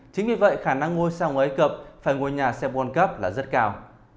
chính vì vậy khả năng ngôi sao người egypt phải ngôi nhà xem world cup là rất cao